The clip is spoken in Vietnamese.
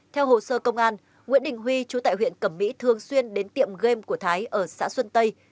theo hồ sơ công an nguyễn đình huy chú tại huyện cẩm mỹ thường xuyên đến tiệm game của thái ở xã xuân tây